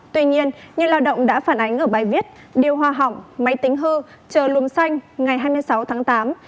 tuy nhiên những lao động đã phản ánh ở bài viết điều hoa họng máy tính hư chờ lùm xanh ngày hai mươi sáu tháng tám